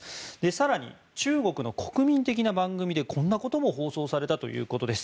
更に、中国の国民的な番組でこんなことも放送されたということです。